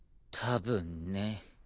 たぶんね。